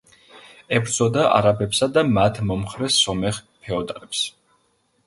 ებრძოდა არაბებსა მათ მომხრე სომეხ ფეოდალებს.